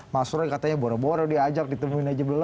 mas roy katanya boro boro diajak ditemuin aja belum